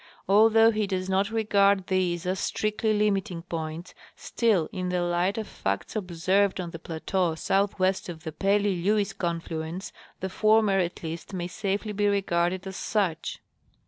Although he does not regard these as strictly limiting points, still, in the light of facts observed on the plateau southwest of the Pelly LcAves confluence, the former at least may safely be regarded as such.